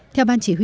theo ban chỉ huy